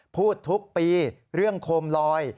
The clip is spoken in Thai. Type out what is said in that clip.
พูดทุกปีเรื่องโคมลอย